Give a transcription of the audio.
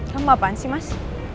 kamu apaan sih mas